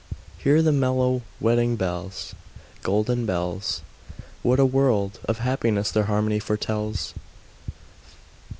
II. Hear the mellow wedding bells Golden bells! What a world of happiness their harmony foretells!